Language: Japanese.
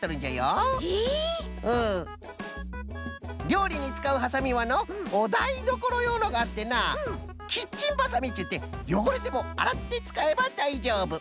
りょうりにつかうハサミはのおだいどころようのがあってなキッチンバサミっちゅうてよごれてもあらってつかえばだいじょうぶ。